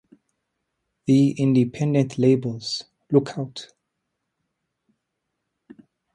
The independent labels Lookout!